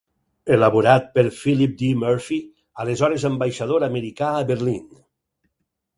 Elaborat per Philip D. Murphy, aleshores ambaixador americà a Berlín.